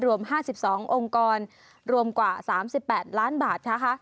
รวม๕๒องค์กรรวมกว่า๓๘ล้านบาทนะคะ